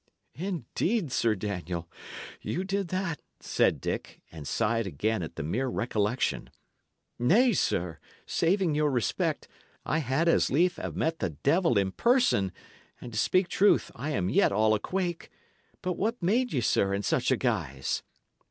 "Indeed, Sir Daniel, ye did that," said Dick, and sighed again at the mere recollection. "Nay, sir, saving your respect, I had as lief 'a' met the devil in person; and to speak truth, I am yet all a quake. But what made ye, sir, in such a guise?"